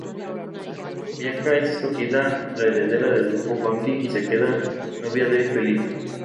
Bianca es escogida la heredera del Grupo Conti y se queda novia de Felipe.